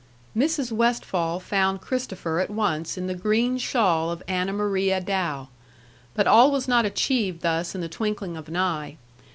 Mrs. Westfall found Christopher at once in the green shawl of Anna Maria Dow, but all was not achieved thus in the twinkling of an eye.